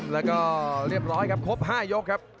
แล้วก็เรียบร้อยครับครบ๕ยกครับ